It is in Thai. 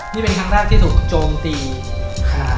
นี่เป็นครั้งแรกที่ถูกโจมตีค่ะ